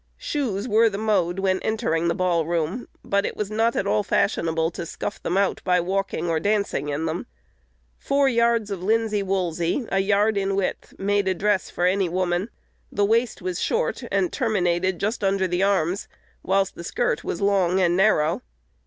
Shoes were the mode when entering the ball room; but it was not at all fashionable to scuff them out by walking or dancing in them. "Four yards of linsey woolsey, a yard in width, made a dress for any woman." The waist was short, and terminated just under the arms, whilst the skirt was long and narrow.